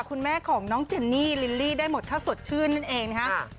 คุณแม่ของน้องเจนนี่ลิลลี่ได้หมดถ้าสดชื่นนั่นเองนะครับ